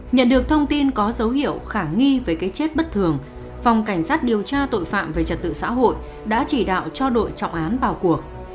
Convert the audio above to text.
nhận được thông tin có dấu hiệu khả nghi với cái chết bất thường phòng cảnh sát điều tra tội phạm về trật tự xã hội đã chỉ đạo cho đội trọng án vào cuộc